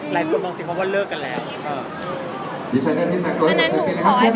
ให้มีรอบสอบด้วย